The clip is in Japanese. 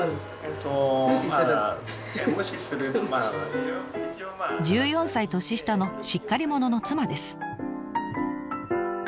時々１４歳年下のしっかり者の妻です。